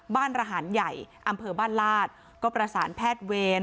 บ้านรหันต์ใหญ่อำเภอบ้านลาดก็ประสานแพทย์เวร